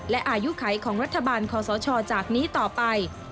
และอายุไขของรัฐบาลคอสชจากนี้ต่อไป